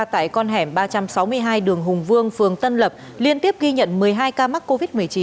tại con hẻm ba trăm sáu mươi hai đường hùng vương phường tân lập liên tiếp ghi nhận một mươi hai ca mắc covid một mươi chín